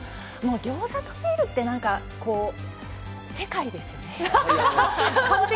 ギョーザとビールって、なんかこう、世界ですよね。